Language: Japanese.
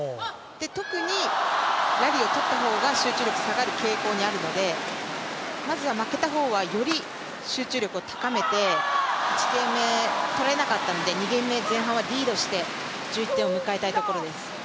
特にラリーをとった方が集中力下がる傾向にあるので、まずは負けた方は、より集中力を高めて、１ゲーム目、取れなかったので２ゲーム目前半はリードして、１１点を迎えたいところです。